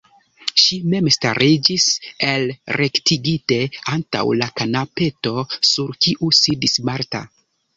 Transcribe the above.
Ŝi mem stariĝis elrektigite antaŭ la kanapeto, sur kiu sidis Marta.